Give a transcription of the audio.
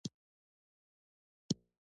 آب وهوا د افغانانو لپاره په معنوي لحاظ ارزښت لري.